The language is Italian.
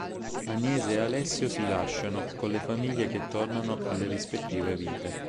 Agnese e Alessio si lasciano, con le famiglie che tornano alle rispettive vite.